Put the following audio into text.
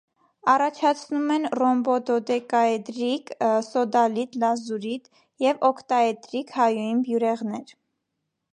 Առաջացնում են ռոմբոդոդեկաէդրիկ (սոդալիտ, լազուրիտ) և օքտաէդրիկ (հայուին) բյուրեղներ։